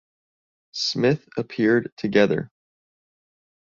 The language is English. Smith appeared together.